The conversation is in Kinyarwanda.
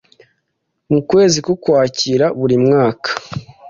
mu kwezi k’Ukwakira buri mwaka